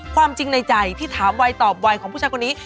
ความจริงในใจที่ถามวัยตอบวัยของผู้ชายคนนี้